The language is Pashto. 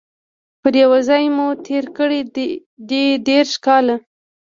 پر یوه ځای مو تیر کړي دي دیرش کاله